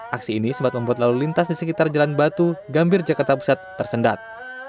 aksi ini sempat membuat lalu lintas di sekitar jalan batu gambir jakarta pusat tersendat